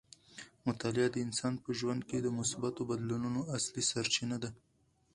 مطالعه د انسان په ژوند کې د مثبتو بدلونونو اصلي سرچینه ده.